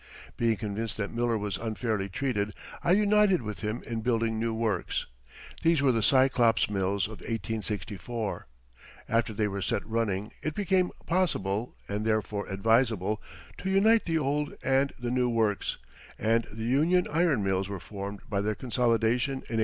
Being convinced that Miller was unfairly treated, I united with him in building new works. These were the Cyclops Mills of 1864. After they were set running it became possible, and therefore advisable, to unite the old and the new works, and the Union Iron Mills were formed by their consolidation in 1867.